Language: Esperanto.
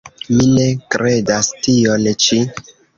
Mi ne kredas tion ĉi.